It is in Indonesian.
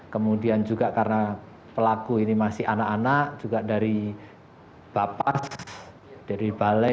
kemudian juga karena pelaku ini masih anak anak juga dari bapak dari balai